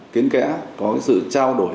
kiến kẽ có sự trao đổi